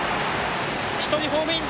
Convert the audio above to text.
１人ホームイン。